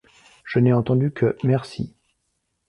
Je n’ai entendu que Merci.